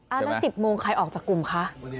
แล้ว๑๐โมงใครออกจากกลุ่มคะ